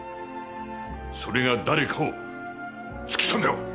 それが誰かを突き止めろ。